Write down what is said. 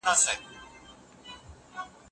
هغه شاګرد ته ډېر ګټور کتابونه ور وښودل.